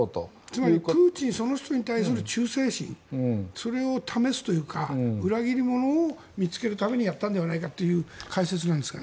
つまりプーチンはその人に対する忠誠心それを試すというか裏切り者を見つけるためにやったんではないかという解説なんですが。